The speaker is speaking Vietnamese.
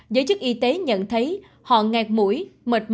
giới chức y tế nhận thấy họ nghẹt mũi mệt mỏi và đau hỏng